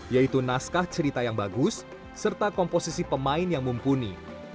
yaitu naskah cerita yang bagus serta komposisi pemain yang mumpuni